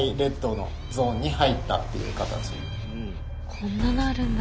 ⁉こんななるんだ。